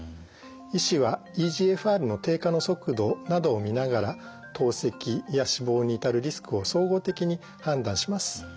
医師はｅＧＦＲの低下の速度などを見ながら透析や死亡に至るリスクを総合的に判断します。